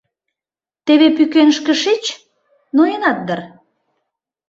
Теве пӱкенышке шич, ноенат дыр?